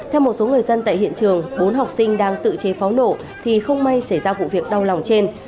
theo một số người dân tại hiện trường bốn học sinh đang tự chế pháo nổ thì không may xảy ra vụ việc đau lòng trên